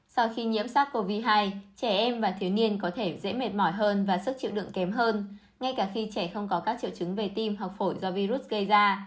sau khi nhiễm sắc covid một mươi chín trẻ em và thiếu niên có thể dễ mệt mỏi hơn và sức chịu đựng kém hơn ngay cả khi trẻ không có các triệu chứng về tim hoặc phổi do virus gây ra